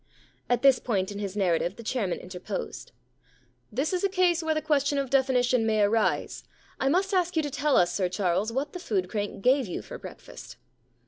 At this point in his narrative the chairman interposed. * This is a case where the question of definition may arise. I must ask you to tell us, Sir Charles, what the food crank gave you for breakfast.'